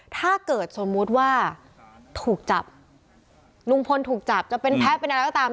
ถ้าเกิดสมมุติว่าถูกจับลุงพลถูกจับจะเป็นแพ้เป็นอะไรก็ตาม